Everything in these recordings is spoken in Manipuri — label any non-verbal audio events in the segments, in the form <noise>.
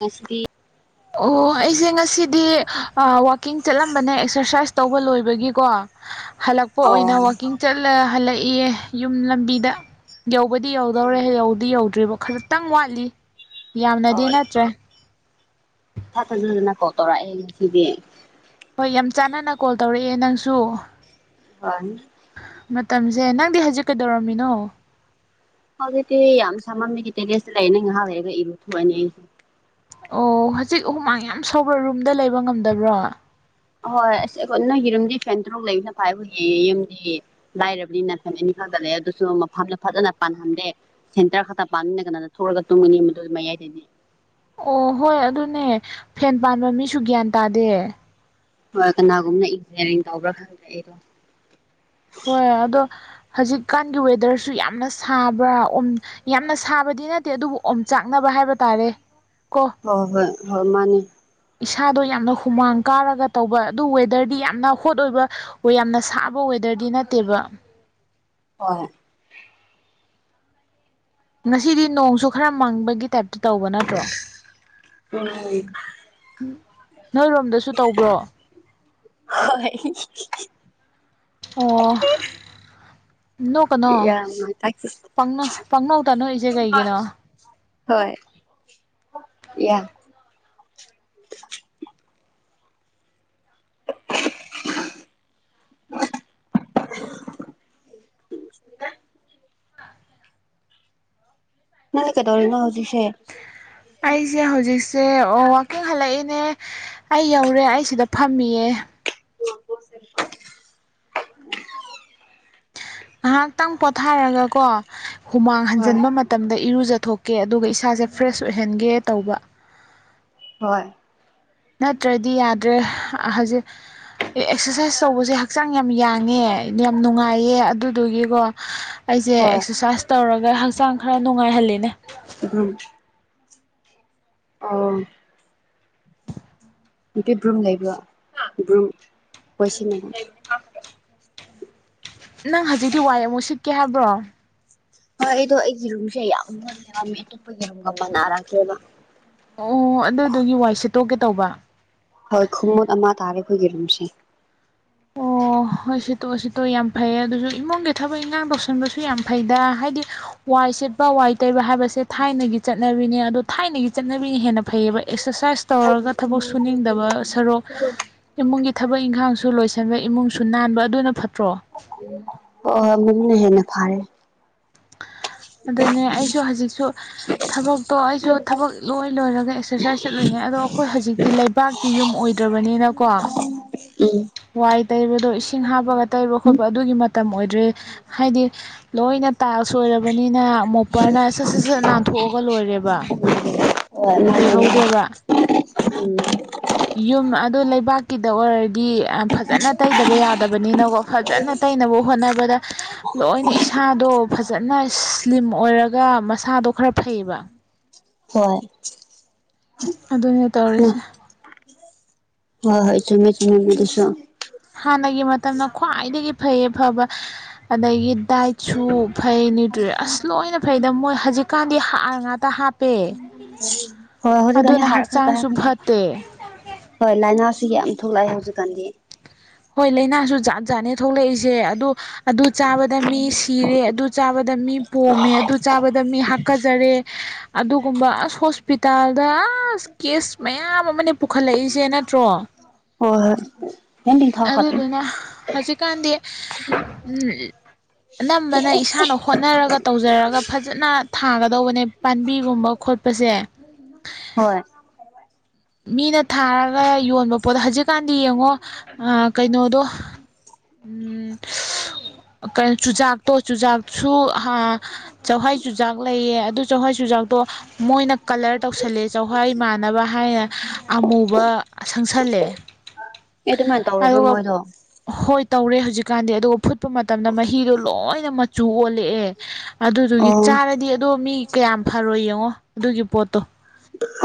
UNINTELLIGIBLE ꯑꯣ ꯑꯩꯁꯦ ꯉꯁꯤꯗꯤ ꯑꯥ ꯋꯥꯛꯀꯤꯡ ꯆꯠꯂꯝꯕꯅꯦ ꯑꯦꯛꯁ꯭ꯔꯁꯥꯏꯁ ꯇꯧꯕ ꯂꯣꯏꯕꯒꯤ ꯀꯣ ꯍꯜꯂꯛꯄ ꯑꯣ ꯑꯣꯏꯅ ꯋꯥꯛꯀꯤꯡ ꯆꯠꯂ ꯍꯜꯂꯛꯏꯌꯦ ꯌꯨꯝꯂꯝꯕꯤꯗ ꯌꯧꯕꯗꯤ ꯌꯧꯗꯧꯔꯦ ꯌꯧꯕꯗꯤ ꯌꯧꯗ꯭ꯔꯤꯕ ꯈꯖꯤꯛꯇꯪ ꯋꯥꯠꯂꯤ ꯌꯥꯝꯅꯗꯤ ꯅꯠ INAUDIBLE ꯍꯣꯏ ꯌꯥꯝ ꯆꯥꯟꯅꯅ ꯀꯣꯜ ꯇꯧꯔꯛꯑꯦ ꯅꯪꯁꯨ <unintelligible> ꯃꯇꯝꯁꯦ ꯅꯪꯗꯤ ꯍꯧꯖꯤꯛ ꯀꯩꯗꯧꯔꯝꯃꯤꯅꯣ ꯍꯧꯖꯤꯗꯤ ꯌꯥꯝ ꯁꯥꯃꯟꯕꯒꯤ ꯇꯦꯔꯦꯁꯇ ꯂꯩꯅꯦ ꯉꯥꯏꯍꯥꯛ ꯂꯩꯔꯒ ꯏꯔꯨꯊꯣꯛꯑꯅꯤ ꯑꯩ ꯑꯣ ꯍꯧꯖꯤꯛ ꯍꯨꯃꯥꯡ ꯌꯥꯝ ꯁꯧꯕ꯭ꯔꯣ ꯔꯨꯝꯗ ꯂꯩꯕ ꯉꯝꯗꯕ꯭ꯔꯣ ꯑꯍꯣꯏ ꯑꯁ ꯑꯩꯈꯣꯏ ꯅꯪꯒꯤꯔꯨꯝꯗꯤ ꯐꯦꯟ ꯇꯧꯔꯨꯛ ꯂꯩꯕꯅꯤꯅ ꯐꯩ ꯑꯩꯈꯣꯏꯒꯤ ꯌꯨꯝꯗꯤ ꯂꯥꯏꯔꯕꯅꯤꯅ ꯐꯦꯟ ꯑꯅꯤ ꯈꯛꯇ ꯂꯩ ꯑꯗꯨꯁꯨ ꯃꯐꯝꯗ ꯐꯖꯅ ꯄꯥꯟꯍꯟꯗꯦ ꯁꯦꯟꯇꯔ ꯈꯛꯇ ꯄꯥꯟꯕꯅꯤꯅ ꯀꯥꯅꯅ ꯊꯣꯛꯂꯒ ꯇꯨꯝꯒꯅꯤ ꯃꯗꯨ ꯃꯌꯥꯏ ꯗꯗꯤ ꯑꯣ ꯍꯣꯏ ꯑꯗꯨꯅꯦ ꯐꯦꯟ ꯄꯥꯟꯕ ꯃꯤꯁꯨ ꯒ꯭ꯌꯥꯟ ꯇꯥꯗꯦ ꯍꯣꯏ ꯀꯅꯥꯒꯨꯝꯅ ꯏꯟꯖꯤꯟꯅꯤꯌꯥꯔꯤꯡ ꯇꯧꯕ꯭ꯔꯥ ꯈꯪꯗꯦ ꯑꯩꯗꯣ ꯍꯣꯏ ꯑꯗꯣ ꯍꯧꯖꯤꯛꯀꯥꯟꯒꯤ ꯋꯦꯗꯔꯁꯨ ꯌꯥꯝꯅ ꯁꯥꯕ꯭ꯔꯥ ꯑꯣꯝ ꯌꯥꯝꯅ ꯁꯥꯕ ꯗꯤ ꯅꯠꯇꯦ ꯑꯗꯨꯕꯨ ꯑꯣꯝ ꯆꯥꯛꯅꯕ ꯍꯥꯏꯕ ꯇꯥꯔꯦ ꯀꯣ ꯍꯣꯏ ꯍꯣꯏ ꯍꯣꯏ ꯃꯥꯅꯦ ꯏꯁꯥꯗꯣ ꯌꯥꯝꯅ ꯍꯨꯃꯥꯡ ꯀꯥꯔꯒ ꯇꯧꯕ ꯑꯗꯨ ꯋꯦꯗ꯭ꯔꯗꯤ ꯌꯥꯝꯅ ꯍꯣꯠ ꯑꯣꯏꯕ ꯑꯣꯏ ꯌꯥꯝꯅ ꯁꯥꯕ ꯑꯣꯏ ꯋꯦꯗ꯭ꯔꯗꯤ ꯅꯠꯇꯦꯕ ꯍꯣꯏ ꯉꯁꯤꯗꯤ ꯅꯣꯡꯁꯨ ꯈꯔ ꯃꯡꯕꯒꯤ ꯇꯥꯏꯞꯇ ꯇꯧꯕ ꯅꯠꯇ꯭ꯔꯣ ꯎꯝ ꯅꯣꯏꯔꯣꯝꯗꯁꯨ ꯇꯧꯕ꯭ꯔꯣ ꯍꯣꯏ ꯍꯤꯍꯤꯍꯤ ꯑꯣ ꯅꯣ ꯀꯩꯅꯣ ꯄꯪꯅꯣ ꯄꯪꯅꯧ ꯇꯥꯅꯣꯛꯏꯁꯦ ꯀꯩꯒꯤꯅꯣ <unintelligible> ꯍꯣꯏ ꯌꯥꯝ ꯅꯪꯗꯤ ꯀꯩꯗꯧꯔꯤꯅ ꯍꯧꯖꯤꯛ ꯑꯩꯁꯦ ꯍꯧꯖꯤꯛꯁꯦ ꯋꯥꯋꯀꯤꯡ ꯍꯜꯂꯛꯏꯅꯦ ꯑꯩ ꯌꯧꯔꯦ ꯑꯩ ꯁꯤꯗ ꯐꯝꯃꯤꯌꯦ <unintelligible> ꯉꯥꯏꯍꯥꯛꯇꯪ ꯄꯣꯊꯥꯔꯒ ꯀꯣ ꯍꯨꯃꯥꯡ ꯍꯣꯏ ꯍꯟꯖꯤꯟꯕ ꯃꯇꯝꯗ ꯏꯔꯨꯖꯊꯣꯛ ꯀꯦ ꯑꯗꯨꯒ ꯏꯁꯥꯁꯦ ꯐ꯭ꯔꯦꯁ ꯑꯣꯏꯍꯟꯒꯦ ꯇꯧꯕ ꯍꯣꯏ ꯅꯠꯇ꯭ꯔꯗꯤ ꯌꯥꯗ꯭ꯔꯦ ꯍꯧꯖꯤꯛ ꯑꯦꯛꯁꯔꯁꯥꯏꯁ ꯇꯧꯕꯁꯦ ꯍꯛꯆꯥꯡ ꯌꯥꯝ ꯌꯥꯡꯉꯦ ꯌꯥꯝ ꯅꯨꯡꯉꯥꯏꯌꯦ ꯑꯗꯨꯗꯨꯒꯤꯀꯣ ꯑꯩꯁꯦ ꯍꯣꯏ ꯑꯦꯛꯁꯔꯁꯥꯏꯁ ꯇꯧꯔꯒ ꯍꯛꯆꯥꯡ ꯈꯔ ꯅꯨꯡꯉꯥꯏꯍꯜꯂꯦ ꯑꯗꯨꯝ ꯑ ꯅꯨꯄꯤ ꯕ꯭ꯔꯨꯝ ꯂꯩꯕ꯭ꯔꯣ ꯕ꯭ꯔꯨꯝ ꯋꯥꯢ ꯁꯤꯠꯅꯕ ꯅꯪ ꯍꯧꯖꯤꯛꯇꯤ ꯋꯥꯏ ꯑꯃꯨꯛ ꯁꯤꯠꯀꯦ ꯍꯥꯏꯕ꯭ꯔꯣ ꯍꯣꯏ ꯑꯩꯗꯣ ꯑꯩꯒꯤ ꯔꯨꯝꯁꯦ ꯌꯥꯝ ꯃꯣꯠꯂꯦꯕ ꯃꯤ ꯑꯇꯣꯞꯄꯒꯤ ꯔꯨꯝꯒ ꯃꯅꯔꯛꯇꯦꯕ ꯑꯣ ꯑꯗꯨꯗꯨꯒꯤ ꯋꯥꯏꯁꯦꯠꯇꯣꯛꯀꯦ ꯇꯧꯕ ꯍꯣꯏ ꯈꯨꯃꯨꯠ ꯑꯃ ꯇꯥꯔꯦ ꯑꯩꯈꯣꯏꯒꯤ ꯔꯨꯝꯁꯦ ꯑꯣ ꯑꯣ ꯍꯣꯏ ꯁꯤꯠꯇꯣꯛ ꯁꯤꯠꯇꯣ ꯌꯥꯝ ꯐꯩ ꯑꯗꯨꯁꯨ ꯏꯃꯨꯡꯒꯤ ꯊꯕꯛ ꯏꯪꯈꯥꯡ ꯇꯧꯁꯟꯕꯁꯨ ꯌꯥꯝ ꯐꯩꯗ ꯍꯥꯏꯗꯤ ꯋꯥꯏ ꯁꯤꯦꯠꯄ ꯋꯥꯏ ꯇꯩꯕ ꯍꯥꯏꯕꯁꯦ ꯊꯥꯏꯅꯒꯤ ꯆꯠꯅꯕꯤꯅꯦ ꯑꯗꯣ ꯊꯥꯏꯅꯒꯤ ꯆꯠꯅꯕꯤꯅ ꯍꯦꯟꯅ ꯐꯩꯌꯦꯕ ꯑꯦꯛꯁꯁ ꯁꯔꯁꯥꯏꯁ ꯍꯣꯏ ꯇꯧꯔꯒ ꯊꯕꯛ ꯁꯨꯅꯤꯡꯗꯕ ꯁꯔꯨꯛ ꯏꯃꯨꯡꯒꯤ ꯊꯕꯛ ꯏꯪꯈꯥꯡꯁꯨ ꯂꯣꯏꯁꯤꯟ ꯕ ꯏꯃꯨꯡꯁꯨ ꯅꯥꯟꯕ ꯑꯗꯨꯅ ꯐꯠ ꯑꯣ ꯃꯗꯨꯅ ꯍꯦꯟꯅ ꯐꯥꯔꯦ ꯑ ꯑꯗꯨꯅꯦ ꯑꯩꯁꯨ ꯍꯧꯖꯤꯛꯁꯨ ꯊꯕꯛꯇꯣ ꯑꯩꯁꯨ ꯊꯕꯛ ꯂꯣꯏ ꯂꯣꯏꯔꯒ ꯑꯦꯛꯁꯔꯁꯥꯏꯁ ꯆꯠꯂꯨꯢꯅꯦ ꯑꯗꯣ ꯑꯩꯈꯣꯏ ꯍꯧꯖꯤꯛꯇꯤ ꯂꯩꯕꯥꯛꯀꯤ ꯌꯨꯝ ꯑꯣꯏꯗ꯭ꯔꯕꯅꯤꯅꯀꯣ ꯎꯝ ꯋꯥꯏ ꯇꯩꯕꯗꯣ ꯏꯁꯤꯡ ꯍꯥꯞꯄꯒ ꯇꯩꯕ ꯈꯣꯠꯄ ꯑꯗꯨꯒꯤ ꯃ ꯇꯝ ꯑꯣꯏꯗ꯭ꯔꯦ ꯍꯥꯏꯗꯤ ꯂꯣꯏꯅ ꯇꯥꯢꯜꯁ ꯑꯣꯢꯔꯕꯅꯤ ꯅ ꯃꯣꯄꯔꯅ ꯁꯠ ꯁꯠ ꯁꯠ ꯅꯥꯟꯊꯣꯛꯑꯒ ꯂꯣꯏꯔꯦꯕ ꯀꯨꯏꯍꯧꯗꯦꯕ ꯑꯣ <unintelligible> ꯌꯨꯝ ꯑꯗꯨ ꯂꯩꯕꯥꯛꯀꯤꯗ ꯑꯣꯏꯔꯗꯤ ꯐꯖꯅ ꯇꯩꯗꯕ ꯌꯥꯗꯕꯅꯤꯅꯀꯣ ꯐꯖꯅ ꯇꯩꯅꯕ ꯍꯣꯠꯅꯕꯗ ꯂꯣꯏꯅ ꯏꯁꯥꯗꯣ ꯐꯖꯅ ꯏꯁ ꯂꯤꯝ ꯑꯣꯏꯔꯒ ꯃꯁꯥꯗꯣ ꯈꯔ ꯐꯩꯕ ꯍꯣꯏ ꯑꯗꯨꯅꯦ ꯇꯧꯔꯤꯁꯦ ꯍꯣꯏ ꯍꯣꯏ ꯆꯨꯝꯃꯦ ꯆꯨꯝꯃꯦ ꯑꯗꯨꯁꯨ <unintelligible> ꯈ꯭ꯋꯥꯏꯗꯒꯤ ꯐꯩꯌꯦ ꯐꯕ ꯑꯗꯒꯤ ꯗꯥꯏꯠꯁꯨ ꯐꯩ ꯅ꯭ꯌꯨꯇ꯭ꯔꯤ ꯑꯁ ꯂꯣꯏꯅ ꯐꯩꯗ ꯃꯣꯏ ꯍꯧꯖꯤꯛꯀꯥꯟꯗꯤ ꯍꯥꯔ ꯉꯥꯛꯇ ꯍꯥꯞ ꯍꯣꯏ ꯍꯧꯖꯤꯛ ꯀꯥꯟꯗꯤ ꯍꯥꯔ ꯈꯛꯇ ꯍꯛꯆꯥꯡꯁꯨ ꯍꯥꯞꯄꯦ ꯐꯠꯇꯦ ꯍꯣꯏ ꯂꯥꯏꯅꯥꯁꯨ ꯌꯥꯝ ꯊꯣꯛꯂꯛꯑꯦ ꯍꯧꯖꯤꯛꯀꯥꯟꯗꯤ ꯍꯣꯏ ꯂꯥꯏꯅꯥꯁꯨ ꯖꯥꯠ ꯖꯥꯠꯅꯦ ꯊꯣꯛꯂꯛꯏꯁꯦ ꯑꯗꯣ ꯑꯗꯨ ꯆꯥꯕꯗ ꯃꯤ ꯁꯤꯔꯦ ꯑꯗꯨ ꯆꯥꯕꯗ ꯃꯤ ꯄꯣꯝꯃꯦ ꯑꯗꯨ ꯆꯥꯕꯗ ꯃꯤ ꯍꯥꯛꯀꯖꯔꯦ ꯑꯗꯨꯒꯨꯝꯕ ꯑꯁ ꯍꯣꯁꯄꯤꯇꯥꯜꯗ ꯑꯥꯁ ꯀꯦꯁ ꯃꯌꯥꯝ ꯑꯃꯅꯦ ꯄꯨꯈꯠꯂꯏꯁꯦ ꯅꯠꯇ꯭ꯔꯣ ꯍꯣꯢ ꯍꯣꯢ ꯑꯗꯨꯗꯨꯅ ꯍꯧꯖꯤꯛꯀꯥꯟꯗꯤ ꯎꯝ ꯑꯅꯝꯕꯅ ꯏꯁꯥꯅ ꯍꯣꯠꯅꯔꯒ ꯇꯧꯖꯔꯒ ꯐꯖꯅ ꯊꯥꯒꯗꯧꯕꯅꯦ ꯄꯥꯝꯕꯤꯒꯨꯝꯕ ꯈꯣꯠꯄꯁꯦ ꯍꯣꯏ ꯃꯤꯅ ꯊꯥꯔꯒ ꯌꯣꯟꯕ ꯄꯣꯠ ꯍꯧꯖꯤꯛꯀꯥꯟꯗꯤ ꯌꯦꯡꯉꯣ ꯑꯥ ꯀꯩꯅꯣꯗꯣ ꯎꯝ <unintelligible> ꯆꯨꯖꯥꯛꯇꯣ ꯆꯨꯖꯥꯛꯁꯨ ꯍꯥ ꯆꯛꯍ꯭ꯋꯥꯏ ꯆꯨꯖꯥꯛ ꯂꯩꯌꯦ ꯑꯗꯨ ꯆꯛꯍ꯭ꯋꯥꯏ ꯆꯨꯖꯥꯛ ꯇꯣ ꯃꯣꯏꯅ ꯀꯂꯔ ꯇꯧꯁꯜꯂꯦ ꯆꯛꯍ꯭ꯋꯥꯏ ꯃꯥꯟꯅꯕ ꯍꯥꯏꯅ ꯑꯃꯨꯕ ꯁꯪꯁꯜꯂꯦ ꯑꯦ ꯑꯗꯨꯃꯥꯏꯅ ꯇꯧꯔꯕ꯭ꯔꯥ ꯑꯗꯨꯒ ꯃꯣꯏꯗꯣ ꯍꫭ ꯍꫭꯏ ꯇꯧꯔꯦ ꯍꯧꯖꯤꯛꯀꯥꯟꯗꯤ ꯑꯗꯨꯒ ꯐꯨꯠꯄ ꯃꯇꯝꯗ ꯃꯍꯤꯗꯣ ꯂꯣꯏꯅ ꯃꯆꯨ ꯑꯣꯜꯂꯑꯦ ꯑꯗꯨꯗꯨꯒꯤ ꯑꯣ ꯆꯥꯔꯗꯤ ꯑꯗꯣ ꯃꯤ ꯀꯌꯥꯝ ꯐꯔꯣꯏ ꯌꯦꯡꯉꯣ ꯑꯗꯨꯒꯤ ꯄꯣꯠꯇꯣ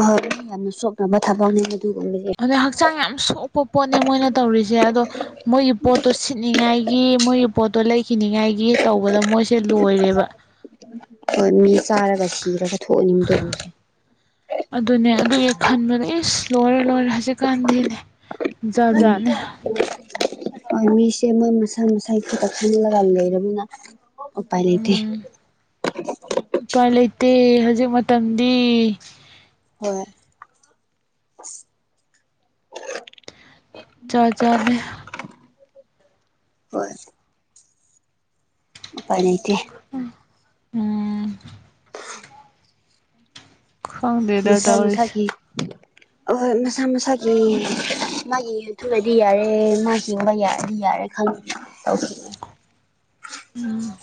ꯍꯣꯏ ꯌꯥꯝꯅ ꯆꫭꯞꯅꯕ ꯊꯕꯛꯅꯦ ꯑꯗꯨꯒꯨꯝꯕꯗꯤ ꯑꯗꯩ ꯍꯛꯆꯥꯡ ꯌꯥꯝ ꯁꯣꯛꯄ ꯄꯣꯠꯅꯦ ꯃꯣꯏꯅ ꯇꯧꯔꯤꯖꯦ ꯑꯗꯣ ꯃꯣꯏꯒꯤ ꯄꯣꯠꯇꯣ ꯁꯤꯠꯅꯤꯉꯥꯏꯒꯤ ꯃꯣꯏꯒꯤ ꯄꯣꯠꯇꯣ ꯂꯩꯈꯤꯅꯤꯉꯥꯏꯒꯤ ꯇꯧꯕꯗ ꯃꯣꯏ ꯍꯣꯏ ꯃꯤ ꯆꯥꯔꯒ ꯁꯤꯔꯒ ꯊꯣꯛꯑꯅꯤꯡꯗ <unintelligible> ꯑꯗꯨꯏ ꯈꯟꯕꯅꯦ ꯏꯁ ꯂꯣꯏꯔꯦ ꯂꯣꯏꯔꯦ ꯍꯧꯖꯤꯛꯀꯥꯟꯗꯤꯅꯦ ꯖꯥꯠ ꯎꯝ ꯖꯥꯠꯅꯦ <unintelligible> ꯍꯣꯏ ꯃꯤꯁꯦ ꯃꯣꯏ ꯃꯁꯥ ꯃꯁꯥꯒꯤ ꯈꯤꯇ ꯈꯜꯂꯒ ꯂꯩꯔꯝꯅꯤꯅ ꯎꯄꯥꯏ ꯂꯩꯇꯦ ꯎꯝ ꯎꯄꯥꯏ ꯂꯩꯇꯦ ꯍꯧꯖꯤꯛ ꯃꯇꯝꯗꯤ ꯍꯣꯏ ꯖꯥꯠ ꯖꯥꯠꯅꯦ <unintelligible> ꯎꯄꯥꯏ ꯂꯩꯇꯦ ꯎꯝ ꯈꯪꯗꯦꯗ ꯃꯁꯥ ꯇꯧꯔꯤꯁꯦ ꯃꯁꯥꯒꯤ ꯑꯍꯣꯏ ꯃꯁꯥ ꯃꯁꯥꯒꯤ ꯃꯥꯒꯤ ꯊꯨꯔꯗꯤ ꯌꯥꯔꯦ ꯃꯥ ꯍꯤꯡꯕ ꯌꯥꯔꯦ ꯑꯗꯨ ꯌꯥꯔꯦ ꯈꯪ ꯇꯧꯈꯤ ꯎꯝ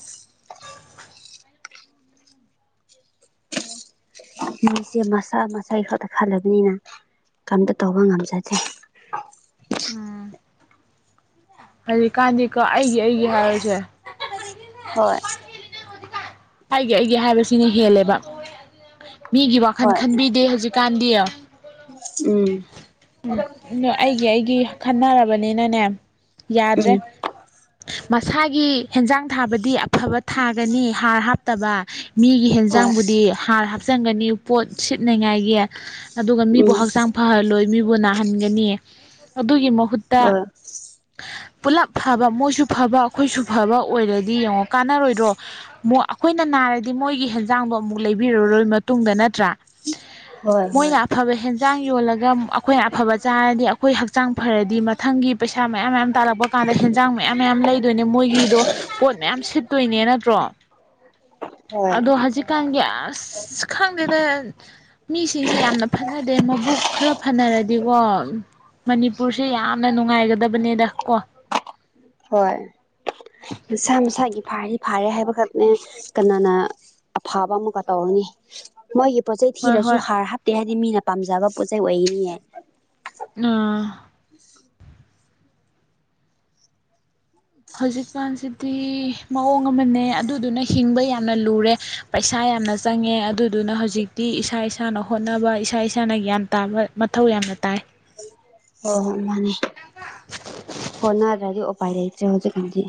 ꯃꯤꯁꯦ ꯃꯁꯥ ꯃꯁꯥꯒꯤ ꯈꯛꯇ ꯈꯜꯂꯕꯅꯤꯅ ꯀꯝꯇ ꯇꯧꯕ ꯉꯝꯖꯗꯦ ꯎꯝ ꯍꯧꯖꯤꯛꯀꯥꯟꯗꯤꯀꯣ ꯑꯩꯒꯤ ꯑꯩꯒꯤ ꯍꯥꯏꯔꯁꯦ ꯍꯣꯏ <unintelligible> ꯑꯩꯒꯤ ꯑꯩꯒꯤ ꯍꯥꯏꯕꯁꯤꯅ ꯍꯦꯜꯂꯦꯕ ꯃꯤꯒꯤ ꯋꯥꯈꯜ ꯍꯣꯏ ꯈꯟꯕꯤꯗꯦ ꯍꯧꯖꯤꯛꯀꯥꯟꯗꯤ ꯎꯝ ꯎꯝ ꯑ ꯑꯩꯒꯤ ꯑꯩꯒꯤ ꯈꯟꯅꯔꯕꯅꯤꯅꯅꯦ ꯌꯥꯗ꯭ꯔꯦ ꯎꯝ ꯃꯁꯥꯒꯤ ꯍꯦꯟꯖꯥꯡ ꯊꯥꯕꯗꯤ ꯑꯐꯕ ꯊꯥꯒꯅꯤ ꯍꯥꯔ ꯍꯥꯞꯇꯕ ꯃꯤꯒꯤ ꯍꯣꯏ ꯍꯦꯟꯖꯥꯡꯕꯨꯗꯤ ꯍꯥꯔ ꯍꯥꯞꯆꯟꯒꯅꯤ ꯄꯣꯠ ꯁꯤꯠꯅꯉꯥꯏꯒꯤ ꯑꯗꯨꯒ ꯃꯤꯕꯨ ꯎꯝ ꯍꯛꯆꯥꯡ ꯂꯣꯏ ꯃꯤꯕꯨ ꯅꯥꯍꯟꯒꯅꯤ ꯑꯗꯨꯒꯤ ꯃꯍꯨꯠꯇ ꯍꯣꯏ ꯄꯨꯜꯂꯞ ꯐꯕ ꯃꯣꯏꯁꯨ ꯐꯕ ꯑꯩꯈꯣꯏꯁꯨ ꯐꯕ ꯑꯣꯏꯔꯗꯤ ꯌꯦꯡꯉꯣ ꯀꯥꯟꯅꯔꯣꯏꯗ꯭ꯔꯣ ꯑꯩꯈꯣꯏꯅ ꯅꯥꯔꯗꯤ ꯃꯣꯏꯒꯤ ꯍꯦꯟꯖꯥꯡꯗꯣ ꯑꯃꯨꯛ ꯂꯩꯕꯤꯔꯔꯣꯏ ꯃꯇꯨꯡꯗ ꯅꯠꯇ꯭ꯔꯥ ꯍꯣꯏ ꯍꯣꯏ ꯃꯣꯏꯅ ꯑꯐꯕ ꯍꯦꯟ ꯌꯣꯜꯂꯒ ꯑꯩꯈꯣꯏ ꯑꯐꯕ ꯆꯥꯔꯗꯤ ꯑꯩꯈꯣꯏ ꯍꯛꯆꯥꯡ ꯐꯔꯗꯤ ꯃꯊꯪꯒꯤ ꯄꯩꯁꯥ ꯃꯌꯥꯝ ꯃꯌꯥꯝ ꯇꯥꯜꯂꯛꯄ ꯀꯥꯟꯗ ꯍ ꯍꯤꯟꯁꯥꯡ ꯃꯌꯥꯝ ꯃꯌꯥꯝ ꯂꯩꯗꯣꯏꯅꯦ ꯃꯣꯏꯒꯤꯗꯣ ꯄꯣꯠ ꯃꯌꯥꯝ ꯁꯤꯠꯇꯣꯏꯅꯦ ꯅꯠꯇ꯭ꯔꯣ ꯍꯣꯏ ꯑꯗꯣ ꯍꯧꯖꯤꯛꯀꯥꯟꯒꯤ ꯑꯁ ꯈꯪꯗꯦꯗ ꯃꯤꯁꯤꯡꯁꯦ ꯌꯥꯝꯅ ꯐꯅꯗꯦ ꯃꯕꯨꯛ ꯈꯔ ꯐꯅꯔꯗꯤꯀꯣ ꯃꯅꯤꯄꯨꯔꯁꯦ ꯌꯥꯝꯅ ꯅꯨꯡꯉꯥꯏꯒꯗꯕꯅꯦꯗ ꯀꯣ ꯍꯣꯏ ꯃꯁꯥ ꯃꯁꯥꯒꯤ ꯐꯥꯔꯤ ꯐꯥꯔꯦ ꯍꯥꯏꯕꯈꯛꯅꯦ ꯀꯅꯥꯅ ꯑꯐꯕ ꯑꯃꯨꯛꯀ ꯇꯧꯅꯤ ꯃꯣꯏꯒꯤ ꯄꯣꯠꯆꯩ ꯍꯣꯏ ꯊꯤꯔꯁꯨ ꯍꯣꯏ ꯍꯥꯔ ꯍꯥꯞꯇꯦ ꯍꯥꯏꯗꯤ ꯃꯤꯅ ꯄꯥꯝꯖꯕ ꯄꯣꯠꯆꯩ ꯑꯣꯏꯅꯤꯌꯦ ꯑꯥ ꯍꯧꯖꯤꯛꯀꯥꯟꯁꯤꯗꯤ ꯃꯑꯣꯡ ꯑꯃꯅꯦ ꯑꯗꯨꯗꯨꯅ ꯍꯤꯡꯕ ꯌꯥꯝꯅ ꯂꯨꯔꯦ ꯄꯩꯁꯥ ꯌꯥꯝꯌꯥꯝꯅ ꯆꯪꯉꯦ ꯑꯗꯨꯗꯨꯅ ꯍꯧꯖꯤꯛꯇꯤ ꯏꯁꯥ ꯏꯁꯥꯅ ꯍꯣꯠꯅꯕ ꯏꯁꯥ ꯏꯁꯥꯅ ꯒ꯭ꯌꯥꯟ ꯇꯥꯕ ꯃꯊꯧ ꯌꯥꯝꯅ ꯇꯥꯏ ꯑꯣ ꯍꯣ ꯃꯥꯅꯤ ꯍꯣꯠꯅꯗ꯭ꯔꯗꯤ ꯎꯄꯥꯏ ꯂꯩꯇꯦ ꯍꯧꯖꯤꯛ ꯀꯥꯟꯗꯤ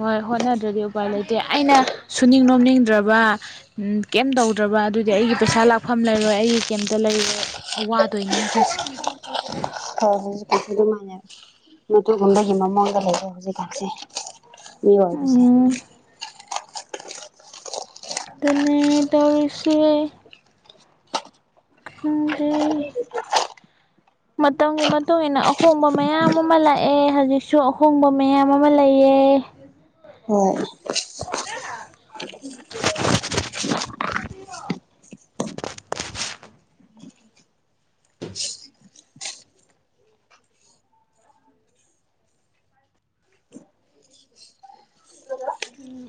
ꯍꯣꯏ ꯍꯣꯠꯅꯗ꯭ꯔꯗꯤ ꯎꯄꯥꯏ ꯂꯩꯇꯦ ꯑꯩꯅ ꯁꯨꯅꯤꯡ ꯅꯣꯝꯅꯤꯡꯗ꯭ꯔꯕ ꯀꯦꯝ ꯇꯧꯗ꯭ꯔꯕ ꯑꯗꯨꯗꯤ ꯑꯩꯒꯤ ꯄꯩꯁꯥ ꯂꯥꯛꯐꯝ ꯂꯩꯔꯣꯏ ꯑꯩꯒꯤ ꯀꯦꯝꯇ ꯂꯩ ꯑꯩ ꯋꯥꯗꯣꯏꯅꯦ ꯑꯩꯈꯣꯏꯁꯦ ꯍꯣꯏ ꯍꯧꯖꯤꯛꯐꯥꯎꯁꯦ ꯑꯗꯨꯃꯥꯏꯅ ꯃꯗꯨꯒꯨꯝꯕꯒꯤ ꯃꯑꯣꯡꯗ ꯂꯩꯔꯦ ꯍꯧꯖꯤꯛꯀꯥꯟꯁꯦ ꯃꯤ ꯑꯣꯏꯗꯨꯁꯦ ꯑꯗꯨꯅꯦ ꯇꯧꯔꯤꯁꯦ ꯈꯪꯗꯦ ꯃꯇꯝꯒꯤ ꯃꯇꯨꯡ ꯏꯟꯅ ꯑꯍꯣꯡꯕ ꯃꯌꯥꯝ ꯑꯃ ꯂꯥꯛꯑꯦ ꯍꯧꯖꯤꯛꯁꯨ ꯑꯍꯣꯡꯕ ꯃꯌꯥꯝ ꯑꯃ ꯂꯩꯑ ꯑꯦ ꯍꯣꯏ <inaudible> ꯎꯝ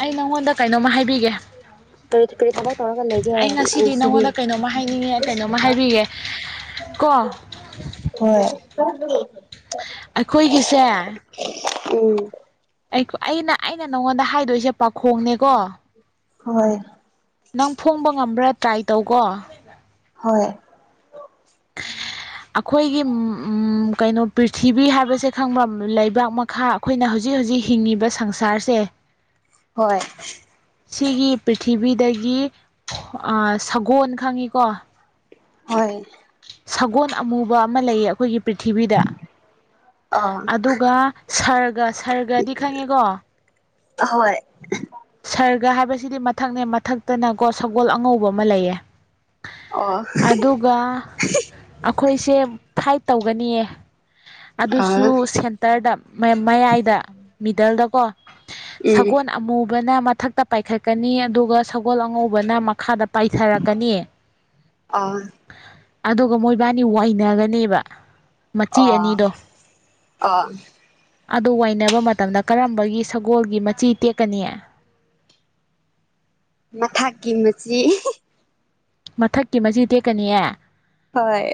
ꯑꯩ ꯅꯪꯉꯣꯟꯗ ꯀꯩꯅꯣꯝꯃ ꯍꯥꯏꯕꯤꯒꯦ ꯀꯔꯤ ꯀꯔꯤ ꯊꯕꯛ ꯇꯧꯔꯒ ꯂꯩꯒꯦ ꯑꯩ ꯉꯁꯤꯗꯤ ꯅꯪꯉꯣꯟꯗ ꯀꯩꯅꯣꯝꯃ ꯍꯥꯏꯅꯤꯡꯉꯦ ꯀꯩꯅꯣꯝꯃ ꯍꯥꯏꯕꯤꯒꯦ ꯀꯣ ꯍꯣꯏ ꯑꯩꯈꯣꯏꯒꯤꯁꯦ ꯎꯝ ꯑꯩꯅ ꯑꯩꯅ ꯅꯪꯉꯣꯟꯗ ꯍꯥꯏꯗꯣꯏꯁꯦ ꯄꯥꯈꯣꯡꯅꯦꯀꯣ ꯍꯣꯏ ꯅꯪ ꯐꯣꯡꯕ ꯉꯝꯕ꯭ꯔꯥ ꯇ꯭ꯔꯥꯏ ꯇꯧꯀꯣ ꯍꯣꯏ <inaudible> ꯑꯩꯈꯣꯏꯒꯤ ꯎꯝ ꯑꯝ ꯍꯝ ꯀꯩꯅꯣ ꯄ꯭ꯔꯤꯊꯤꯕꯤ ꯍꯥꯏꯕꯁꯦ ꯈꯪꯕ ꯂꯩꯕꯥꯛ ꯃꯈꯥ ꯑꯩꯈꯣꯏꯅ ꯍꯧꯖꯤꯛꯖꯤ ꯍꯧꯖꯤꯛ ꯍꯤꯡꯉꯤꯕ ꯁꯪꯁꯥꯔꯁꯦ ꯍꯣꯏ ꯄ꯭ꯊꯤꯕꯤꯗꯒꯤ ꯁꯒꯣꯜ ꯑꯥ ꯈꯪꯉꯤꯀꯣ ꯍꯣꯏ ꯁꯒꯣꯜ ꯑꯃꯨꯕ ꯑꯃ ꯂꯩꯌꯦ ꯑꯩꯈꯣꯏꯒꯤ ꯄ꯭ꯔꯤꯊꯤꯕꯤꯗ ꯑꯥ ꯑꯗꯨꯒ ꯁꯔꯒ ꯁꯔꯒꯗꯤ ꯈꯪꯉꯤꯀꯣ ꯍꯣꯏ ꯁꯔꯒ ꯍꯥꯏꯕꯁꯤꯗꯤ ꯃꯊꯛꯅꯦ ꯃꯊꯛꯇꯅꯀꯣ ꯁꯒꯣꯜ ꯑꯉꯧꯕ ꯑꯃ ꯂꯩꯌꯦ ꯑꯣ ꯑꯗꯨꯒ ꯑꯩꯈꯣꯏꯁꯦ ꯐꯥꯏꯠ ꯇꯧꯒꯅꯤꯌꯦ ꯑꯗꯨꯁꯨ ꯑꯥ ꯁꯦꯟꯇꯔꯗ ꯃꯌꯥꯏꯗ ꯃꯤꯗꯜꯗꯀꯣ ꯎꯝ ꯁꯒꯣꯜ ꯑꯃꯨꯕꯅ ꯃꯊꯛꯇ ꯄꯥꯏꯈꯠꯀꯅꯤ ꯑꯗꯨꯒ ꯁꯒꯣꯜ ꯑꯉꯧꯕꯅ ꯃꯈꯥꯗ ꯄꯥꯏꯊꯔꯛꯀꯅꯤ ꯑꯥ ꯑꯗꯨꯒ ꯃꯣꯏꯕꯥꯅꯤ ꯋꯥꯅꯒꯅꯤꯕ ꯑꯥ ꯑꯥ ꯑꯗꯨ ꯋꯥꯏꯅꯕ ꯃꯇꯝꯗ ꯀꯔꯝꯕꯒꯤ ꯁꯒꯣꯜꯒꯤ ꯃꯆꯤ ꯇꯦꯛꯀꯅꯤ ꯃꯊꯛꯀꯤ ꯃꯆꯤ ꯃꯊꯛꯀꯤ ꯃꯆꯤ ꯇꯦꯛꯀꯅꯤꯌꯦ ꯍꯣꯏ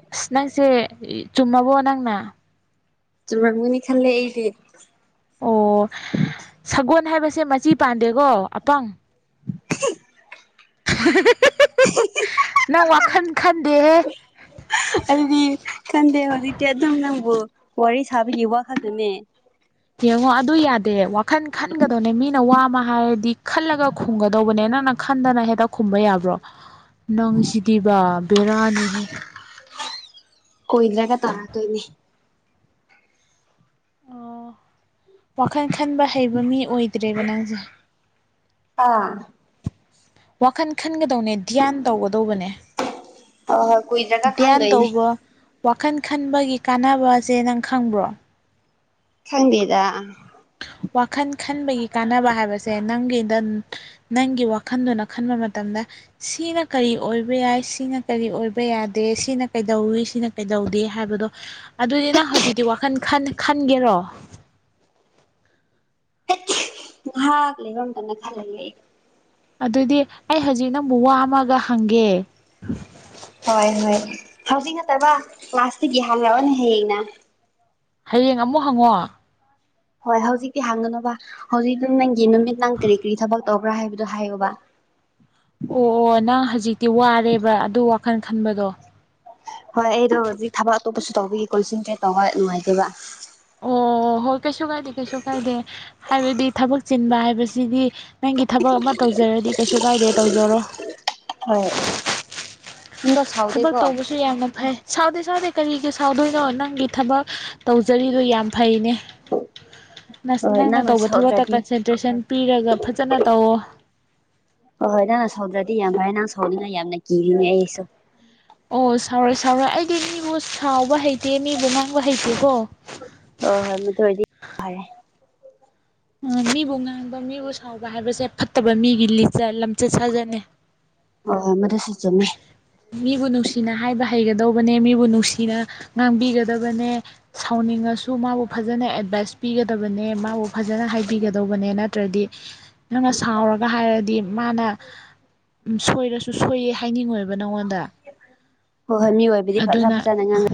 ꯆꯨꯝꯃꯕꯨ ꯅꯥꯪꯅ ꯆꯨꯝꯃꯒꯅꯤ ꯈꯂꯦ ꯑꯩꯗꯤꯦ ꯑꯣ ꯁꯒꯣꯜ ꯍꯥꯏꯕꯁꯦ ꯃꯆꯤ ꯄꯥꯟꯗꯦꯀꯣ ꯑꯄꯪ ꯍꯤ ꯍꯤ ꯍꯤ ꯅꯪ ꯋꯥꯈꯜ ꯈꯟꯗꯦꯍꯦ ꯑꯩꯗꯤ ꯈꯟꯗꯦ ꯍꯧꯖꯤꯇꯤ ꯑꯗꯨꯝ ꯅꯪꯕꯨ ꯋꯥꯔꯤ ꯁꯥꯕꯤꯒꯤ ꯋꯥ ꯈꯛꯇ ꯅꯦ ꯎꯝ ꯍꯪ ꯑꯗꯨ ꯌꯥꯗꯦ ꯋꯥꯈꯜ ꯈꯟꯒꯗꯧꯅꯦ ꯃꯤꯅ ꯋꯥ ꯑꯃ ꯍꯥꯏꯔꯗꯤ ꯈꯜꯂꯒ ꯈꯨꯝꯒꯗꯧꯕꯅꯦ ꯅꯪꯅ ꯈꯟꯗꯅ ꯍꯦꯛꯇ ꯈꯨꯝꯕ ꯌꯥꯕ꯭ꯔꯣ ꯅꯪꯁꯤꯗꯤꯕ ꯕꯦꯔꯤꯅꯤꯍꯦ ꯇꯥ ꯇꯣꯏꯅꯤ ꯑꯣ ꯋꯥꯈꯜ ꯈꯟꯕ ꯍꯩꯕ ꯃꯤ ꯑꯣꯏꯗ꯭ꯔꯦꯕ ꯅꯪꯁꯦ ꯑꯥ ꯋꯥꯈꯟ ꯈꯟꯒ ꯇꯧꯅꯦ ꯙ꯭ꯌꯥꯟ ꯇꯧꯒꯗꯧꯕꯅꯦ ꯍꯣꯏ ꯍꯣꯏ ꯀꯨꯏꯗ꯭ꯔꯒ ꯙ꯭ꯌꯥꯟ ꯈꯟꯗꯣꯏꯅꯦ ꯇꯧꯕ ꯋꯥꯈꯜ ꯈꯟꯕꯒꯤ ꯀꯥꯟꯅꯕ ꯑꯁꯦ ꯅꯪ ꯈꯪꯕ꯭ꯔꯣ ꯈꯡꯗꯦꯇꯥ ꯋꯥꯈꯟ ꯈꯟꯕꯒꯤ ꯀꯥꯟꯅꯕ ꯍꯥꯏꯕꯁꯦ ꯅꯪꯒꯤꯗ ꯅꯪꯒꯤ ꯋꯥꯈꯜꯗꯨꯅ ꯈꯟꯕ ꯃꯇꯝꯗ ꯁꯤꯅ ꯀꯔꯤ ꯑꯣꯏꯕ ꯌꯥꯏ ꯁꯤꯅ ꯀꯔꯤ ꯑꯣꯏꯕ ꯌꯥꯗꯦ ꯁꯤꯅ ꯀꯩꯗꯧꯋꯤ ꯁꯤꯅ ꯀꯩꯗꯧꯗꯦ ꯍꯥꯏꯕꯗꯣ ꯑꯗꯨꯗꯤ ꯅꯪ ꯍꯧꯖꯤꯛꯇꯤ ꯋꯥꯈꯜ ꯈꯟ ꯈꯟꯒꯦꯔꯣ ꯂꯩ ꯔꯣꯝꯗꯅ ꯊꯜꯍꯜ ꯂꯩ ꯑꯗꯨꯗꯤ ꯑꯩ ꯍꯧꯖꯤꯛ ꯅꯪꯕꯨ ꯋꯥ ꯃꯒ ꯍꯪꯒꯦ ꯍꯣꯏ ꯍꯣꯏ ꯍꯧꯖꯤꯛ ꯅꯠꯇꯕ ꯀ꯭ꯂꯥꯁꯇꯤꯒꯤ ꯍꯥꯡꯉꯛꯑꯣꯅꯦ ꯍꯌꯦꯡꯅ ꯍꯌꯦꯡ ꯑꯃꯨꯛ ꯍꯪꯉꯣ ꯍꯣꯏ ꯍꯧꯖꯤꯛꯇꯤ ꯍꯥꯡꯒꯅꯣꯕ ꯍꯧꯖꯤꯛꯇꯤ ꯅꯪꯒꯤ ꯅꯨꯃꯤꯠ ꯅꯪ ꯀꯔꯤ ꯀꯔꯤ ꯊꯕꯛ ꯇꯧꯕ꯭ꯔꯥ ꯍꯥꯏꯕꯗꯨ ꯍꯥꯏꯌꯨꯕ ꯑꯣ ꯑꯣ ꯅꯪ ꯍꯧꯖꯤꯛꯇꯤ ꯋꯥꯔꯦꯕ ꯑꯗꯨ ꯋꯥꯈꯜ ꯈꯟꯕꯗꯣ ꯍꯣꯏ ꯑꯩꯗꯣ ꯍꯧꯖꯤꯛ ꯊꯕꯛ ꯑꯇꯣꯞꯄꯁꯨ ꯇꯧꯕꯤꯒꯤ ꯀꯣꯜꯁꯤꯟꯁꯦ ꯇꯧꯕ ꯅꯨꯡꯉꯥꯏꯇꯦꯕ ꯑꯣ ꯍꯣꯏ ꯀꯩꯁꯨ ꯀꯥꯏꯗꯦ ꯀꯩꯁꯨ ꯀꯥꯏꯗꯦ ꯍꯥꯏꯕꯗꯤ ꯊꯕꯛ ꯆꯤꯟꯕ ꯍꯥꯏꯕꯁꯤꯗꯤ ꯅꯪꯒꯤ ꯊꯕꯛ ꯑꯃ ꯇꯧꯖꯔꯗꯤ ꯀꯩꯁꯨ ꯀꯥꯏꯗꯦ ꯇꯧꯖꯔꯣ ꯍꯣꯏ ꯅꯪꯗꯣ ꯊꯕꯛ ꯁꯥꯎꯗꯦꯀꯣ ꯇꯧꯕꯁꯨ ꯌꯥꯝꯅ ꯐꯩ ꯁꯥꯎꯗꯦ ꯁꯥꯎꯗꯦ ꯀꯔꯤꯒꯤ ꯁꯥꯎꯗꯣꯏꯅꯣ ꯅꯪꯒꯤ ꯊꯕꯛ ꯇꯧꯖꯔꯤꯗꯣ ꯌꯥꯝ ꯐꯩꯅꯦ ꯍꯣꯏ <inaudible> ꯍꯣꯏ ꯅꯪꯅ ꯇꯧꯕ ꯊꯕꯛꯇ ꯣ ꯁꯧꯗ꯭ꯔꯗꯤ ꯀꯟꯁꯦꯟꯇ꯭ꯔꯦꯁꯟ ꯄꯤꯔꯒ ꯐꯖꯅ ꯇꯧꯋꯣ ꯍꯣꯏ ꯍꯣꯏ ꯅꯪ ꯅ ꯁꯧꯗ꯭ꯔꯗꯤ ꯌꯥꯝ ꯐꯔꯦ ꯅꯪ ꯁꯧꯅꯤꯅ ꯌꯥꯝꯅ ꯀꯤꯔꯤꯅꯦ ꯑꯩꯁꯨ ꯑꯣ ꯁꯥꯎꯔꯣꯏ ꯁꯥꯎꯔꯣꯏꯦ ꯑꯩꯗꯤ ꯃꯤꯕꯨ ꯁꯥꯎꯕ ꯍꯩꯇꯦ ꯃꯤꯕꯨ ꯉꯥꯡꯕ ꯍꯩꯇꯦꯀꯣ ꯍꯣꯏ ꯍꯣꯏ ꯃꯗꯨ ꯑꯣꯏꯗꯤ ꯐꯔꯦ ꯎꯝ ꯃꯤꯕꯨ ꯉꯥꯡꯕ ꯃꯤꯕꯨ ꯁꯥꯎꯕ ꯍꯥꯏꯕꯁꯦ ꯐꯠꯇꯕ ꯃꯤꯒꯤ ꯂꯤꯆꯠ ꯂꯝꯆꯠ ꯁꯥꯖꯠꯅꯦ ꯑꯣ ꯍꯣꯏ ꯃꯗꯨ ꯁꯤ ꯆꯨꯝꯃꯦ ꯃꯤꯕꯨ ꯅꯨꯡꯁꯤꯅ ꯍꯥꯏꯕ ꯍꯩꯒꯗꯧꯕꯅꯦ ꯃꯤꯕꯨ ꯅꯨꯡꯁꯤꯅ ꯉꯥꯡꯕꯤꯒꯗꯕꯅꯦ ꯁꯥꯎ ꯁꯥꯎꯅꯤꯡꯉꯁꯨ ꯃꯥꯕꯨ ꯐꯖꯅ ꯑꯦꯗꯚꯥꯏꯁ ꯄꯤꯒꯗꯕꯅꯦ ꯃꯥꯕꯨ ꯐꯖꯅ ꯍꯥꯏꯕꯤꯒꯗꯧꯕꯅꯦ ꯅꯠꯇ꯭ꯔꯗꯤ ꯅꯪꯅ ꯁꯥꯎꯔꯒ ꯍꯥꯏꯔꯗꯤ ꯃꯥꯅ ꯎꯝ ꯁꯣꯏꯔꯁꯨ ꯁꯣꯏꯌꯦ ꯍꯥꯏꯅꯤꯡꯉꯣꯏꯕ ꯍꯥꯏꯕ ꯅꯡꯉꯣꯟꯗ ꯍꯣꯏ ꯍꯣꯏ ꯃꯤ ꯑꯣꯏꯕꯗꯤ ꯐꯖ ꯐꯖꯅꯥ ꯉꯥꯡꯉꯦ